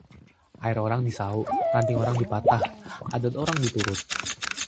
Air orang disauk, ranting orang dipatah, adat orang diturut